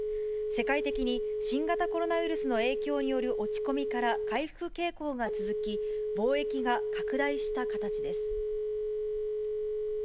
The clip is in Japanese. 世界的に新型コロナウイルスの影響による落ち込みから回復傾向が続き、貿易が拡大した形です。